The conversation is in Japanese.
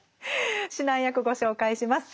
指南役ご紹介します。